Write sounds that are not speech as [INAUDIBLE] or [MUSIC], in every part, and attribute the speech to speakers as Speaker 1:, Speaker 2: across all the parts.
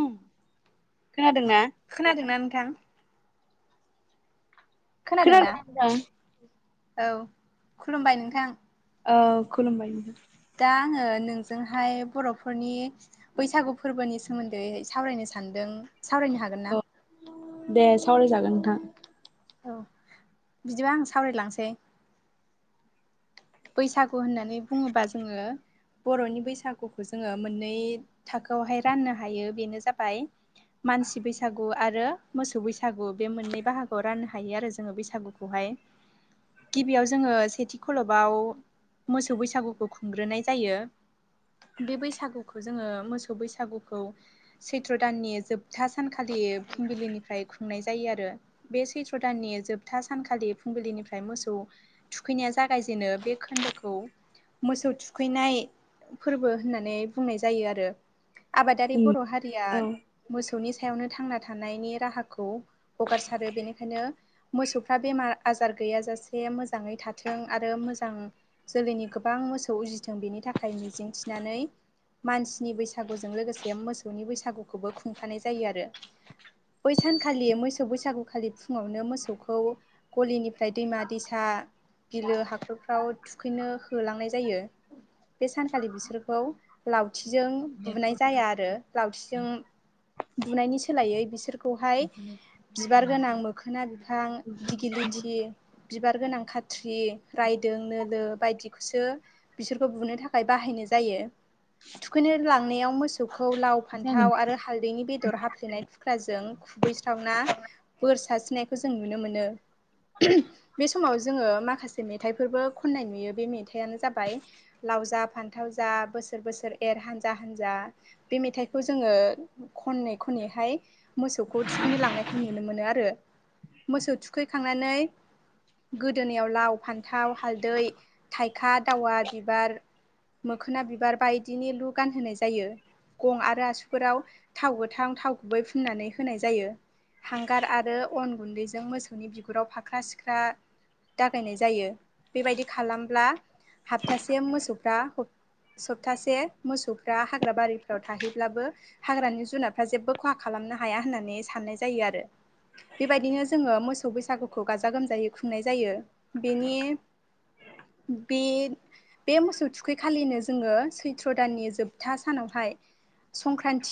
Speaker 1: उम खोनादोंना
Speaker 2: खोनादोंना नोंथां
Speaker 1: खोनादोंना नोंथां
Speaker 2: औ खुलुमबाय नोंथां
Speaker 1: औ खुलुमबाय
Speaker 2: दा आङो नोंजोंहाय बर'फोरनि बैसागु फोरबोनि सोमोन्दै सावरायनो सै सानदों सावरायनो हागोन ना
Speaker 1: सावराय जागोन नोंथां
Speaker 2: औ बिदिबा आं सावरायलांसै बैसागु होननानै बुङोबा जोङो बर'नि बैसागुखौ जोङो मोननै थाखोआवहाय राननो हायो बेनो जाबाय मानसि बैसागुआ आरो मोसौ बैसागु बे मोननै बाहागोआव राननो हायो आरो जोङो बैसागुखौहाय गिबियाव जोङो सेथि खलब बाव मोसौ बैसागुखौ खुंग्रोनाय जायो बे बैसागुखौ जोङो मोसौ बैसागुखौ सैथ्र दाननि जोबथा सानखालि फुंबिलिनिफ्राय खुंनाय जायो आरो बे सैथ्र' दाननि जोबथा सानखालि फुंबिलिनिफ्राय म मोसौ थुखैनाया जागाय जेनो बे खोन्दोखौ मोसौ थुखैनाय फोरबो होननानै बुंनाय जायो आरो आबादारि बर' हारिया
Speaker 1: औ
Speaker 2: मोसौनि थायावनो थांना थानायनि राहाखौ हगारसारो बेनिखायनो मोसौफ्रा बेमार आजार गैयाजासे मोजाङै थाथों आरो मोजां जोलैनि गोबां मोसौ उजिथों बेनि थाखाय मिजिंथिनानै मानसिनि बैसागुजों लोगोसे मोसौनि बैसागुखौबो खुंफानाय जायो आरो बैसानखालि मोसौ बैसागुखालि फुङावनो मोसौखौ गलिनिफ्राय दैमा दैसा बिलो हाखरफ्राव थुखैनो होलांनाय जायो बे सानखालि बिसोरखौ लावथिजों बुनाय जाया आरो लावथिजों बुनायनि सोलायै बिसोरखौहाय बिबार गोनां मोखोना बिफां दिगिलिथि बिबार गोनां खा थिरि रायदों नो बायदिखौसो बिसोरखौ बुनो थाखाय बाहायनाय जायो थुखैनो लांनायाव मोसौखौ लाव फान्थाव आरो हालदैनि बेदर हाफ्लेनाय थुख्राजों खुबैस्रावना बोर सारस्रिनायखौ जों नुनो मोनो बे समाव जोङो माखासे मेथाइफोरबो खननाय नुयो बे मेथाइयानो जाबाय लाव जा फान्थाव जा बोसोर बोसोर बोसोर एर हानजा हानजा बे मेथाइखौ जोङो खनै खनैहाय मोसौखौ थुखैनो लांनायखौ नुनो मोनो आरो मोसौ थुखैखांनानै गोदोनायाव लाव फान्थाव हालदै थाइखा दावा बिबार मोखोना बिबार बायदिनि लु गानहोनाय जायो गं आरो आसुफोराव थाव गोथां थाव गुबै फुननानै होनाय जायो हांगार आरो अन गुन्दैजों मोसौनि बिगुराव फाख्रा सिख्रा दागायनाय जायो बेबायदि खालामब्ला हप्तासे मोसौफ्रा सप्तासे मोसौफ्रा हाग्रा बारिफ्राव थाहैब्लाबो हाग्रानि जुनारफ्रा जेबो खहा खालाम नो हाया होननानै सनाय जायो आरो बेबायदिनो जोङो मोसौ बैसागुखौ गाजा गोमजायै खुंनाय जायो बेनि बे बे मोसौ थुखैखालिनो जोङो सैथ्र' दाननि जोबथा सानावहाय संक्रान्त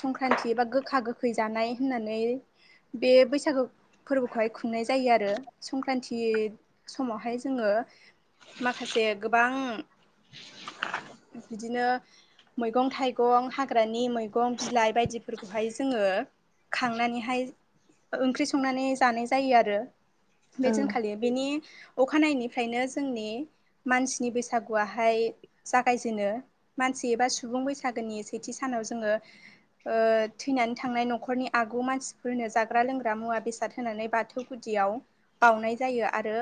Speaker 2: संक्रान्ति एबा गोखा गोखै जानाय होननानै बे बैसागु फोरबोखौहाय खुंनाय जायो आरो संक्रान्ति समावहाय जोङो माखासे गोबां बिदिनो मैगं थाइगं हाग्रानि मैगं बिलाइ बायदिफोरखौहाय जोङो खांनानैहाय ओंख्रि संनानै जानाय जायो आरो बे
Speaker 1: औ
Speaker 2: दिनखालि बेनि अखानायनिफ्रायनो जोंनि मानसिनि बैसागुआहाय जागायजेनो मानसि एबा सुबुं बैसागोनि सेथि सानाव जोङो थैनानै थांनाय नखर न'खरनि आगु मानसिफोरनो जाग्रा लोंग्रा मुवा बेसाद होनानै बाथौ गुदियाव बावउनाय जायो आरो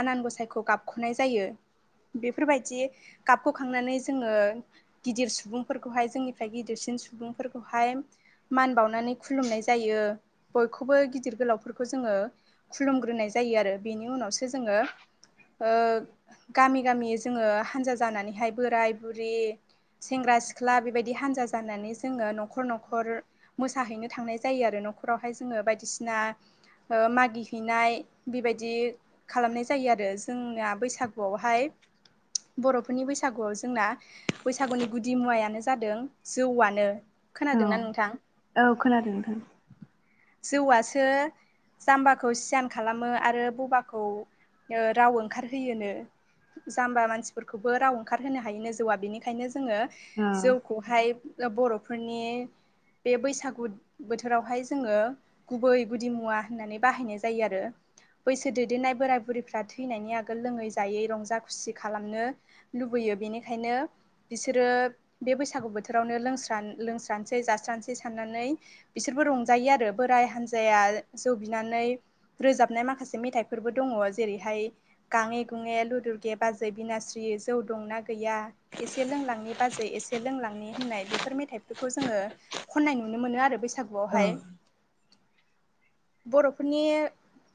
Speaker 2: आनान गसायखौ गाबख'नाय जायो बेफोरबायदि गाबखौखांनानै जोङो गिदिर सुबुंफोरखौहाय जोंनिफ्राय गिदिरसिन सुबुंफोरखौहाय मान बावनानै खुलुमनाय जायो बयखौबो गिदिर गोलावफोरखौ जङो खुलुमग्रोनाय जायो आरो बेनि उनावसो जोङो गामि गामि जोङो हानजा जानानैहाय बोराय बुरि सेंग्रा सिख्ला बेबायदि हानजा जानानै जोङो न'खर न'खर मोसाहैनो थांनाय जायो आरो न'खरावहाय जोङो बायदिसिना मागि हैैनाय बेबायदि खालामनाय जायो आरो जोंना बैसागुआवहाय बर'फोरनि बैसागुआव जोंना बैसागुनि गुदि मुवाआनो जादों जौआनो
Speaker 1: औ
Speaker 2: खोनादोंना नोंथां
Speaker 1: औ खोनादों नोंथां
Speaker 2: जौआसो जाम्बाखौ सियान खालामो आरो बबाखौ ओ राव ओंखारहोयोनो जाम्बा मानसिफोरखौबो राव ओंखारहोनो हायोनो जौआ बेनिखायनो जोङो
Speaker 1: औ
Speaker 2: जौखौहाय बर'फोरनि बे बैसागु बोथोरावहाय जोङो गुबै गुदि मुवा होननानै बाहायनाय जायो आरो बैसो देदोननाय बोराय बुरैफ्रा थैनायनि आगोल लोङै जायै रंजा खुसि खालामनो लुबैयो बेनिखायनो बिसोरो बे बैसागु बोथोरावनो लोंस्रा लोंस्रानोसै जास्रानोसै साननानै बिसोर बो रंजायो आरो बोराय हान्जाया जौ बिनानै रोजाबनाय माखासे मेथाइफोरबो दङ जेरैहाय गाङे गुङै लुदुरगे बाजै बिनास्रि जौ दं ना गै या एसे लोंलांनि बाजै एसे लोंलांनि होननाय बेफोर मेथाइफोरखौ जोङो खन्नाय नुनो मो मोनो आरो
Speaker 1: औ
Speaker 2: बैसागुआवहाय बर'फोरनि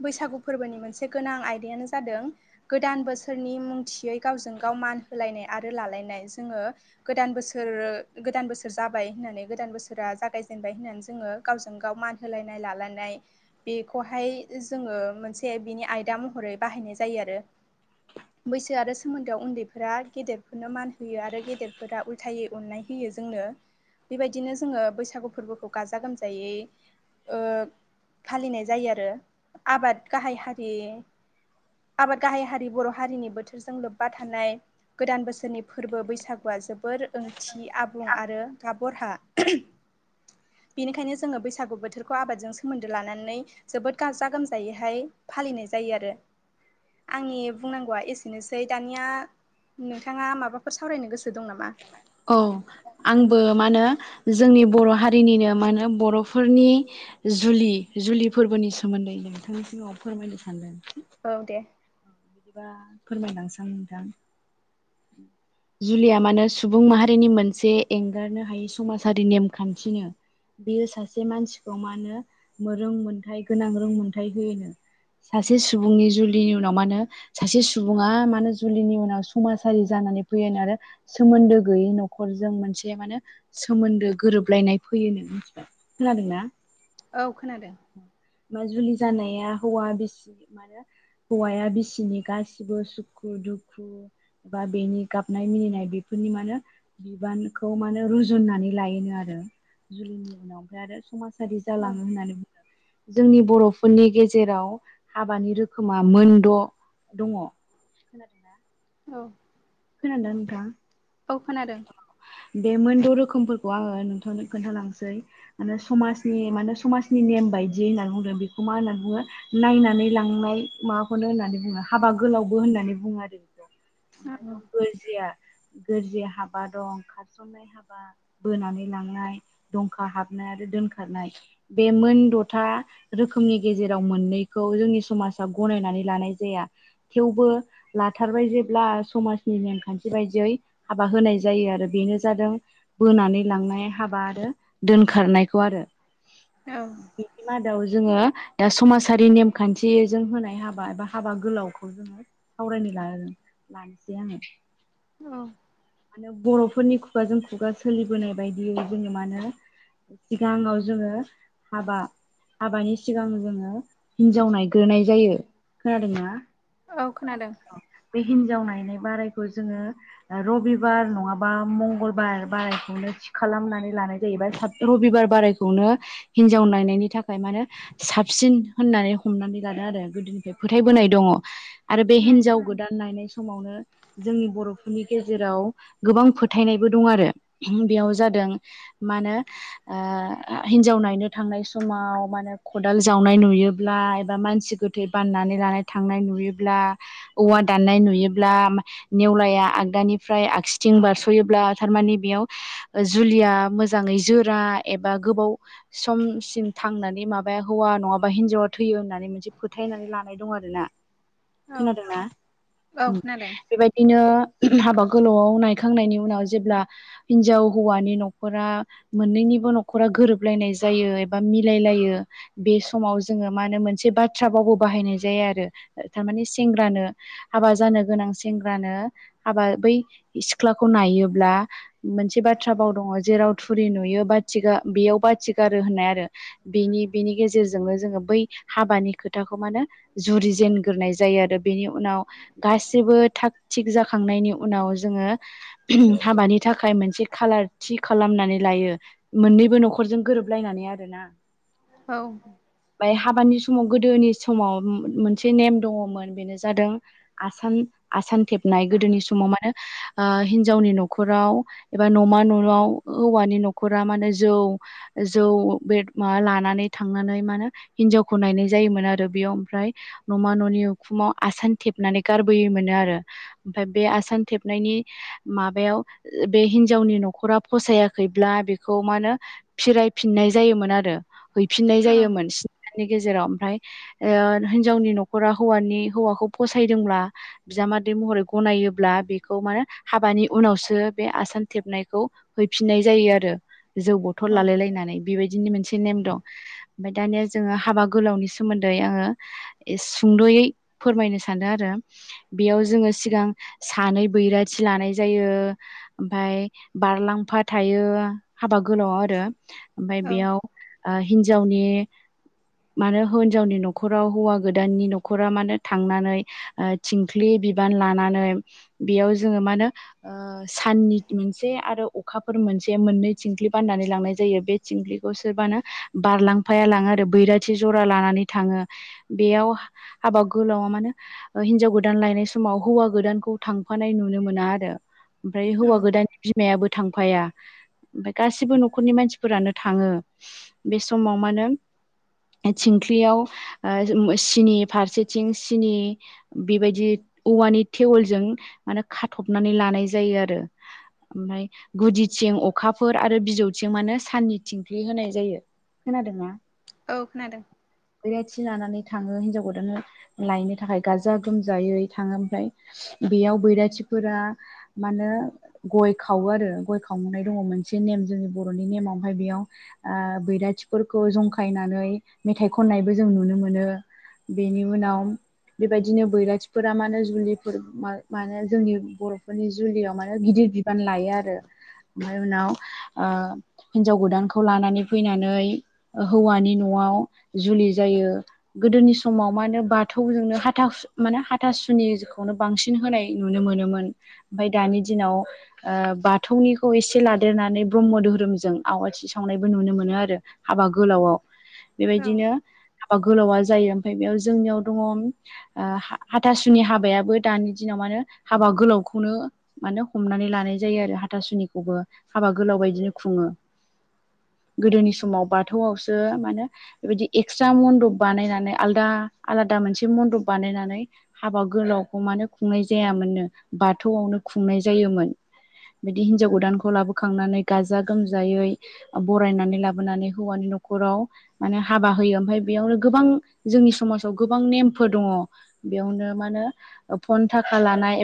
Speaker 2: बैसागु फोरबोनि मोनसे गोनां आयदाआनो जादों गोदान बोसोरनि मुंथियै गावजों गाव मान होलायनाय आरो लालायनाय जोङो गोदान बोसोर गोदान बोसोर जाबाय होननानै गोदान बोसोरा जागाय जेनबाय होननानै जोङो गावजोंगाव मान होलायनाय लालायनाय बेखौहाय जोङो मोन से बिनि आयदा महरै बाहायनाय जायो आरो बैसो आरो सोमोन्दोआव उन्दैफोरा गेदेरफोरनो मान होयो आरो गेदेरफोरा उल्थायै अननाय होयो जोंनो बेबादिनो जोङो बैसागु फोरबोखौ गाजा गोमजायै ओ फालिनाय जायो आरो आबाद गाहाय हारि आबाद गाहाय हारि बर' हारिनि बोथोरजों लोब्बा थानाय गोदान बोसोरनि फोरबो बैसागुआ जोबोर ओंथि आबुं आरो गाब बरहा उम बेनिखायनो जोङो बैसागु बोथोरखौ आबादजों सोमोन्दो लानानै जोबोद गाजा गोमजायैहाय फालिनाय जायो आरो आंनि बुंनांगौआ एसेनोसै दानिआ नोंथांआ माबाफोर सावरायनो गोसो दं नामा?
Speaker 1: औ आंबो मा होनो जोंनि बर' हारिनिनो मा होनो बर'फोरनि जुलि जुलि फोरबोनि सोमोन्दै नोंथांनि सिगाङाव फोरमायनो सानदों
Speaker 2: औ दे
Speaker 1: बिदिबा फोरमायलांनोसां नोंथां जुलिआ मानो सुबुं माहारिनि मोनसे एंगारनो हायि समाजारि नेमखान्थिनो बियो सासे मानसिखौ मा होनो रोंमोनथायाइ गोनां रोंमोनथायाइ होयो सासे सुबुंनि जुलिनि उनाव मा होनो सासे सुबुंआ मानो जुलिनि उनाव समाजारि जानानै फैयो नो आरो सोमोन्दो गैयि नख नखरजों मोनसे माने सोमोन्दो गोरोबलायनाय फैयोनो खोनादों ना
Speaker 2: औ खोनादों
Speaker 1: मा जुलि जानाया हौवा बिसि मानो हौवाया बिसि नि गासिबो सुखु दुखु बा बेनि गाबनाय मिनिनाय बेफोरनि मानो बिबानखौ माने रुजुननानै लायोनो आरो जुलिनि उनाव आमफ्राय आरो समाजारि
Speaker 2: औ
Speaker 1: जालाङो होननानै बुं जोंनि बर'फोरनि गेजेराव हाबानि रोखोमा मोनद' दङ खोनादों ना
Speaker 2: औ
Speaker 1: खोनादों ना नोंथां
Speaker 2: औ खोनादों
Speaker 1: बे मोनद' रोखोमफोरखौ आङो नोंथांनो खोन्थालांनोसै आरो समाजनि माने समाजनि नेम बायदि होननानै बुंदों बेखौ होननानै बुङो नायनानै लांनाय माबाखौनो होननानै बुङो हाबा गोलाव बो होननानै बुङो आरो बेखौ आफाय
Speaker 2: औ
Speaker 1: दं गोरजिआ गोरजिआ हाबा दं खारसनाय हाबा बोनानै लांनाय दंखा हाबनाय आरो दोनखारनाय बे मोन द'था रोखोमनि गेजेराव मोननैखौ जोंनि समाजा गनायनानै लानाय जाया थेवबो लाथारबाय जेब्ला समाजनि नेमखान्थि बायदियै हाबा होनाय जायो आरो बेनो जादों बोनानै लांनाय हाबा आरो दोनखारनायखौ आरो
Speaker 2: औ
Speaker 1: [UNINTELLIGIBLE] आव जोङो दा समाजारि नेमखान्थिजों होनाय हाबा एबा हाबा गोलावखौ जोङो फरायनो [UNINTELLIGIBLE] लानोसै आङो
Speaker 2: औ
Speaker 1: माने बर'फोरनि खुगाजों खुगा सोलिबोनाय बायदियै जोङो मा होनो सिगाङाव जोङो हाबा हाबानि सिगां जोङो हिनजाव नायग्रोनाय जायो खोनादोंना
Speaker 2: औ खोनादों
Speaker 1: बे हिनजाव नायनाय बारायखौ जोङो रबिबार नङाबा बा मंगलबार बारायखौनो थि खालामनानै लानाय जाहैबाय रबिबार बारायखौनो हिनजाव नायनायनि थाखाय मा होनो साबसिन होननानै हमनानै लादों आरो गोदोनिफ्राय फोथायबोनाय दङ आरो बे
Speaker 2: औ
Speaker 1: हिनजाव गोदान नायनाय समावनो जोंनि बर'फोरनि गेजेराव गोबां फोथायनायबो दं आरो बेयाव जादों मा होनो ओ हिनजाव नायनो थांनाय समाव माने ख'दाल जावनाय नुयोब्ला एबा मानसि गोथै बाननानै लानाय थां नाय नुयोब्ला, औवा दाननाय नुयोब्ला, नेवलाया आगदानिफ्राय आगसिथिं थिं बारस'योब्ला थारमानि बेयाव जुलिया मोजाङै जोरा एबा गोबाव समसिम थांनानै माबा ओफ्राय हौवा नङाबा हिनजावा थैयो होननानै मोनसे फोथायनानै लानाय दं आरो ना
Speaker 2: औ
Speaker 1: खोनादोंना बेबायदिनो हाबा गोलावयाव नाय खांनायनि उनाव जेब्ला हिनजाव हौवानि न'खरा मोननैनिबो न'खरा गोरोबलायनाय जायो एबा मिलायलायो बे समाव जोङो मा होनो मोनसे बाथ्रा फावबो बाहायनाय जायो आरो थारमानि सेंग्रानो हाबा जानो गोनां सेंग्रानो हाबा बै सिख्लाखौ नायोब्ला मोनसे बाथ्रा बाव दङ जेराव थुरि नुयो बा थिगा बेयाव बा थिं गारो होननाय आरो बेनि बेनि गेजेरजोंनो जोङो बै हाबानि खोथाखौ मानो जु रि जेनग्रोनाय जायो आरो बेनि उनाव गासिबो थाग थिग जाखांनायनि उनाव जोङो हाबानि थाखाय मोनसे खाालार थि खालामनानै लायो मोननैबो न'खर जों गोरोबलायनानै आरोना
Speaker 2: औ
Speaker 1: ओमफ्राय हाबानि समाव गोदोनि समाव मोनसे नेम दङमोन बेनो जादों आसान आसान थेबनाय गोदोनि समाव मानो आ हिनजावनि न'खराव एबा न'मा न'आव हौवानि न'खरा माने जौ जौ बे मा लानानै थांनानै मानो हिनजावखौ नायनाय जायोमोन आरो बेयाव न'मा न'नि उखुमाव आसान थेबनानै गारबोयोमोनो आरो ओमफ्राय बे आसान थेबनायनि माबायाव बे हिनजावनि न'खरा फसायाखैब्ला बेखौ मा होनो फिरायफिननाय जायोमोन आरो हैफिननाय जायोमोन नि गेजेराव ओमफ्राय ओ हिनजावनि न'खरा हौवानि हौवाखौ फसायदोंब्ला बिजामादै महरै गनायोब्ला बे खौ माने हाबानि उनावसो बे आसान थेबनायखौ हैफिननाय जायो आरो जौ बथल
Speaker 2: औ
Speaker 1: लालाय लायनानै बेबायदिनो मोनसे नेम दं ओमफ्राय दानिया जोङो हाबा गोलावनि सोमोनदै आङो सुंद'यै फोरमायनो सानदों आरो बेयाव जोङो सिगां सानै बैराथि लानाय जायो ओमफ्राय बारलांफा थायो हाबा गोलावयाव आरो ओमफ्राय
Speaker 2: औ
Speaker 1: बेयाव ओ हिनजावनि माने हिनजावनि न'खराव हौवा गोदाननि न'खरा माने थांनानै ओ थिंख्लि बिबान लानानै बेयाव जोङो मा होनो ओ साननि मोनसे आरो अखाफोर मोनसे मोननै थिंख्लि बाननानै लांनाय जायो बे थिंख्लिखौ सोबबानो बारलांफाया लाङो आरो बैराथि ज'रा लानानै थाङो बेयाव हाबा गोलावा माने हिनजाव गोदान लायनाय समाव हौवा गोदानखौ थांफानाय नुनो मोना आरो। ओमफ्राय हौवा गोदाननि बिमायाबो थांफाया ओमफ्राय गासिबो न'खरनि मानसिफोरानो थाङो बे समाव मानो थिंख्लियाव आ सिनि फारसेथिं सिनि बेबायदि औवानि टेवलजों माने खाथबनानै लानाय जायो आरो न। ओमफ्राय गुदिथिं अखाफोर आरो बिजौ जौथिं मानो साननि थिंख्लि होनाय जायो खोनादों ना?
Speaker 2: औ खोनादों।
Speaker 1: बैराथि लानानै थाङो। हिन्जाव गोदानानो लायनो थाखाय गाजा गोमजायै थाङो। ओमफ्राय बेयाव बैराथिफोरा मानोे गय खावो आरो गय खावनाय दङ मोनसे नेम। ज बर'नि नेमावहाय बेयाव बैराथिफोरखौ जंखायनानै मेथाइ खननायबो जों नुनो मोनो। जों नुनो मोनो। बेनि उनाव बेबायदिनो बैरथिफोरा मानो जुलिफोर माने जोंनि बर'फोरनि जुलियाव माने गिदिर बिबान लायो आरो। ओमफ्राय उनाव हिनजाव गोदानखौ लानानै फैनानै हौवानि न'आव जुलि जायो। गोदोनि समाव माने बाथौजोंनो माने हाथासुनिनो बांसिन होनाय नुनो मोनोमोन। ओमफ्राय दानि दिनाव बाथौनिखौ एसे लादेर नानै ब्रह्म धोरोमजों आवाथि सावनायबो नुनो मोनो आरो हाबा गोलावाव।
Speaker 2: औ
Speaker 1: बेबायदिनो बा गोलावा जायो ओमफ्राय बेयाव जोंनियाव दङ हाथासुनि हाबायाबो दानि दिनाव माने हाबा गोलावखौनो म हमनानै लानाय जायो आरो हाथासुनिखौबो हाब बा गोलाव बायदिनो खुङो।
Speaker 2: [INAUDIBLE]
Speaker 1: गोदोनि समाव बाथौआवसो मा होने बेबायदि एक्सट्रा मन्दप बानायनानै आलादा आलादा। मोनसे मन्दप बानायनानै हाबा गोलाव। हमानो खुंनाय जायामोननो बाथौआवनो खुंनाय जायोमोन। बिदि हिनजाव गोदानखौ लाबोखांनानै गाजा गोमजायै बरायनानै लाबोनानै हौवानि न'खराव माने हाबा होयो ओमफ्राय बेयावनो गोबां जोंनि समाजाव गोबां नेमफोर दङ। बेयावनो माने फन थाखा लानाय